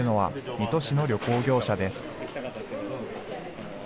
水戸市の旅行業者です。